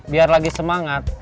biar lagi semangat